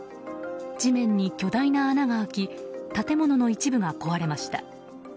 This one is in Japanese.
地面に巨大な穴が開き建物の一部が壊れました。